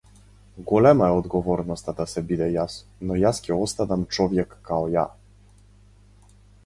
Голема е одговорноста да се биде јас, но јас ќе останам човјек као ја.